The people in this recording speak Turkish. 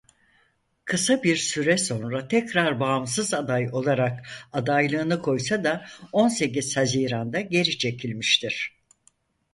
Kısa bir süre sonra tekrar bağımsız aday olarak adaylığını koysa da on sekiz Haziran'da geri çekilmiştir.